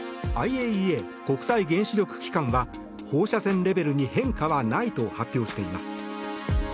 ＩＡＥＡ・国際原子力機関は放射線レベルに変化はないと発表しています。